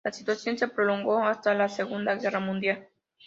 La situación se prolongó hasta la segunda guerra mundial.